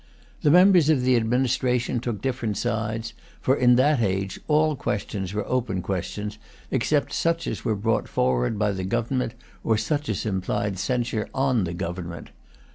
The members of the administration took different sides; for in that age all questions were open questions, except such as were brought forward by the Government, or such as implied censure on the Government.